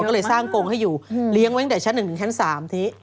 ก็เลยสร้างโกงให้อยู่เลี้ยงไว้แต่ชั้น๑๓ที